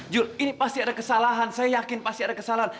jul ini pasti ada kesalahan saya yakin pasti ada kesalahan